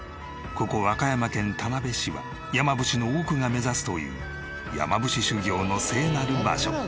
ここ和歌山県田辺市は山伏の多くが目指すという山伏修行の聖なる場所。